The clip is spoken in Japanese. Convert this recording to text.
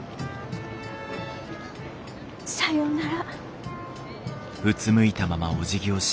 さようなら。